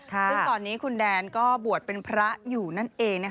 ซึ่งตอนนี้คุณแดนก็บวชเป็นพระอยู่นั่นเอง